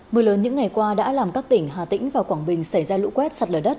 mưa lớn những ngày qua đã làm các tỉnh hà tĩnh và quảng bình xảy ra lũ quét sạt lở đất